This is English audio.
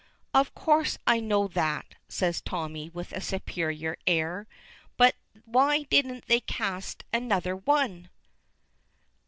"Of course I know that," says Tommy with a superior air. "But why didn't they cast another one?"